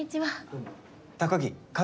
うん。